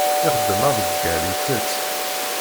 Ixeddem aḍeggal itett.